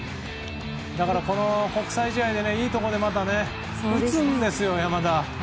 だから、国際試合でいいところで打つんですよ、山田。